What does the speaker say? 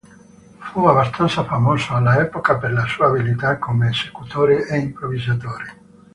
Fu abbastanza famoso, all'epoca, per la sua abilità come esecutore e improvvisatore.